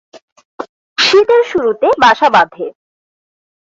শীতের শুরুতে বাসা বাঁধে।